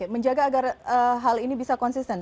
menjaga agar hal ini bisa konsisten